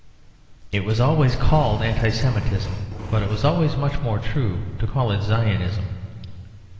It was always called Anti Semitism; but it was always much more true to call it Zionism.